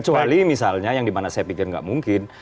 kecuali misalnya yang dimana saya pikir nggak mungkin